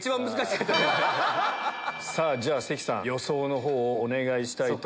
じゃ関さん予想の方をお願いしたいと思います。